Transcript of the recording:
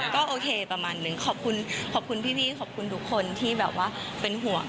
ก็โอเคประมาณนึงขอบคุณพี่ขอบคุณทุกคนที่เป็นห่วง